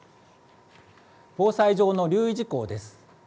防災上の留意事項です。